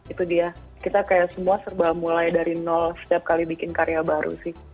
itu dia kita kayak semua serba mulai dari nol setiap kali bikin karya baru sih